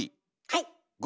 はい。